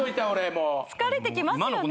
もう疲れてきますよね